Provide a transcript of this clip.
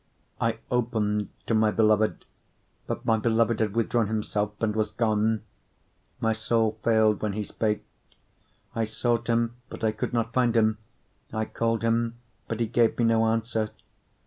5:6 I opened to my beloved; but my beloved had withdrawn himself, and was gone: my soul failed when he spake: I sought him, but I could not find him; I called him, but he gave me no answer.